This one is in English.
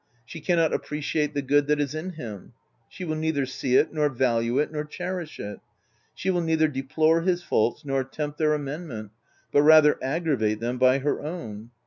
She can not appreciate the good that is in him: she will neither see it, nor value it, nor cherish it. She will neither deplore his faults nor attempt their amendment, but rather aggravate them by her own.